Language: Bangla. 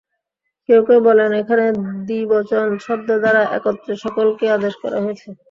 কেউ কেউ বলেন, এখানে দ্বিবচন শব্দ দ্বারা একত্রে সকলকেই আদেশ করা হয়েছে।